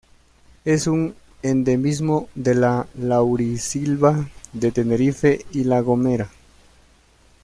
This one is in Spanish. Es un endemismo de la laurisilva de Tenerife y La Gomera.